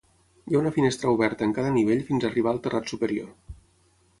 Hi ha una finestra oberta en cada nivell fins a arribar al terrat superior.